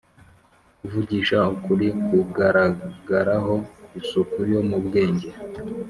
kuvugisha ukuri, kugaragaraho isuku yo mu bwenge